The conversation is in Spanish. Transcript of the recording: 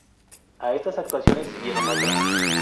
A estas actuaciones siguieron otras.